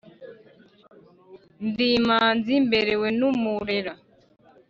Ndi imanzi mberewe n’umurera.